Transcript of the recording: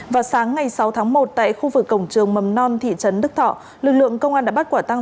vào sáng ngày sáu tháng một tại khu vực cổng trường mầm non thị trấn đức thọ lực lượng công an đã bắt quả tăng